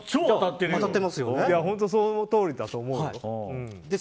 本当、そのとおりだと思う。